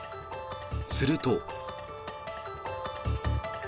すると。